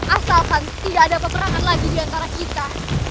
asalkan tidak ada peperangan lagi diantara kita